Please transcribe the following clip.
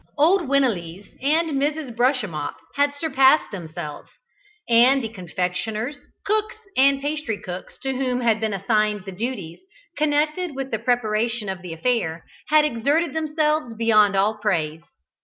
Old Winelees and Mrs. Brushemup had surpassed themselves, and the confectioners, cooks and pastrycooks to whom had been assigned the duties connected with the preparation of the affair, had exerted themselves beyond all praise.